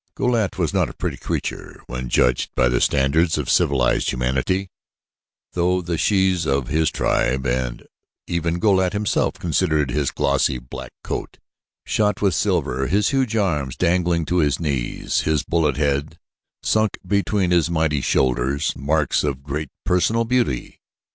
Go lat was not a pretty creature when judged by standards of civilized humanity, though the shes of his tribe and even Go lat himself, considered his glossy black coat shot with silver, his huge arms dangling to his knees, his bullet head sunk between his mighty shoulders, marks of great personal beauty.